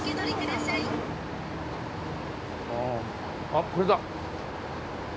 あこれだ。